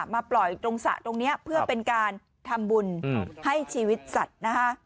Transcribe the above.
มาปล่อยตรงสระตรงนี้เพื่อเป็นการทำบุญให้ชีวิตสัตว์นะคะ